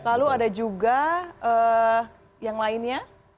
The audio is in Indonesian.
lalu ada juga yang lainnya